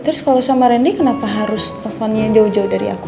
terus kalau sama randy kenapa harus teleponnya jauh jauh dari aku